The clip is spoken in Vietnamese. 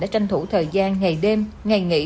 đã tranh thủ thời gian ngày đêm ngày nghỉ